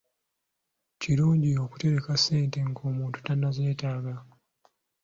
Kirungi okutereka ssente ng'omuntu tannazeetaaga.